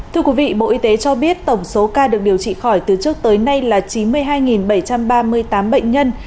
thưa quý vị bộ y tế cho biết tổng số ca được điều trị khỏi từ trước tới nay là chín mươi hai bảy trăm ba mươi tám bệnh nhân